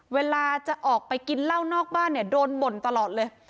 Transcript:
เวลาจะออกไปกินเหล้านอกบ้านเนี่ยโดนบ่นตลอดเลย